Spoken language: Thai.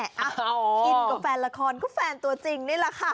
อินกับแฟนละครก็แฟนตัวจริงนี่แหละค่ะ